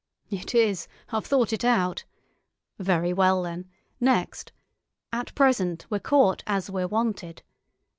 "It is; I've thought it out. Very well, then—next; at present we're caught as we're wanted.